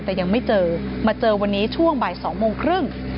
แต่ยังไม่เจอมาเจอวันนี้ช่วงบ่าย๒โมงครึ่ง